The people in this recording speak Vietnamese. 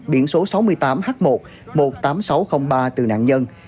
biển số sáu mươi tám h một một mươi tám nghìn sáu trăm linh ba từ nạn nhân